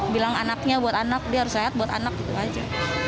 bilang anaknya buat anak dia harus sehat buat anak gitu aja